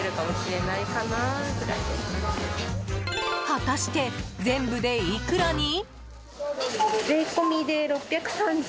果たして全部でいくらに？